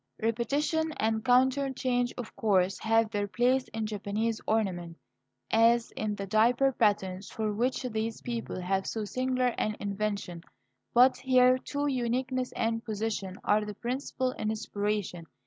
Repetition and counter change, of course, have their place in Japanese ornament, as in the diaper patterns for which these people have so singular an invention, but here, too, uniqueness and position are the principal inspiration.